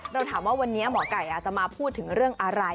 เราถามว่าวันนี้หมอไก่อาจจะมาพูดถึงเรื่องอะไร